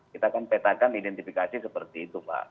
kita kan petakan identifikasi seperti itu pak